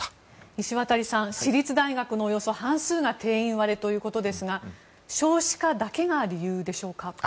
石渡さん、私立大学のおよそ半数が定員割れということですが少子化だけが理由でしょうか？